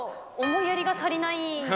思いやりが足りない。